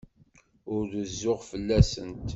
Ur rezzuɣ fell-asent.